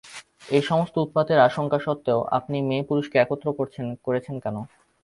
এই সমস্ত উৎপাতের আশঙ্কা সত্ত্বেও আপনি মেয়ে-পুরুষকে একত্র করেছেন কেন?